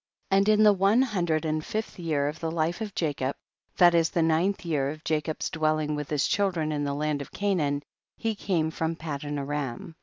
And in the one hundred and fifth year of the life of Jacob, that is the ninth year of Jacob's dwelling with his children in the land of Ca naan, he came from Padan aram.